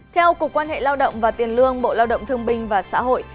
theo cục quan hệ lao động và tiền lương bộ lao động thương binh và xã hội